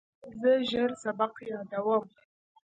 زه ژر سبق یادوم.